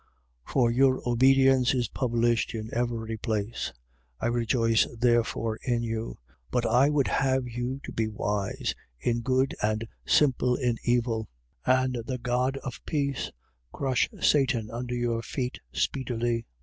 16:19. For your obedience is published in every place. I rejoice therefore in you. But I would have you to be wise in good and simple in evil. 16:20. And the God of peace crush Satan under your feet speedily.